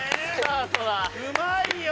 うまいよ。